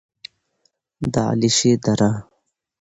د علیشې دره: